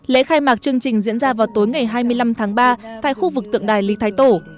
lễ khai mạc chương trình diễn ra vào tối ngày hai mươi năm tháng ba tại khu vực tượng đài lý thái tổ